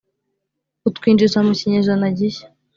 Utwinjiza mu kinyejana gishya